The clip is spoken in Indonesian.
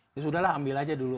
ya sudah lah ambil aja dulu